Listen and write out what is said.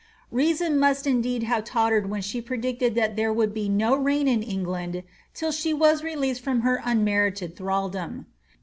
Reason must indeed have tottered when she predicted that there would be no rain in England till she was released from her unmerited thraldom.